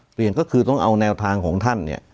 ก็คือต้องเอาแนวทางของท่านเนี่ย